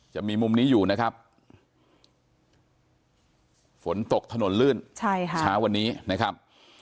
จะมีมุมนี้อยู่นะครับฝนตกถนนลื่นใช่ค่ะเช้าวันนี้นะครับ